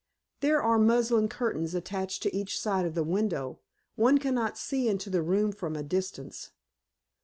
"There are muslin curtains attached to each side of the window. One cannot see into the room from a distance."